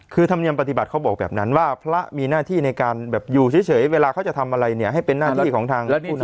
คือธรรมเนียมปฏิบัติเขาบอกแบบนั้นว่าพระมีหน้าที่ในการแบบอยู่เฉยเวลาเขาจะทำอะไรเนี่ยให้เป็นหน้าที่ของทางผู้นำ